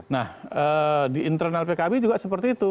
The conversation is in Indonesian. nah di internal pkb juga seperti itu